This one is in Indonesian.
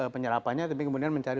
penyerapannya tapi kemudian mencari